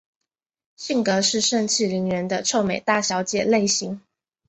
性格是盛气凌人的臭美大小姐类型。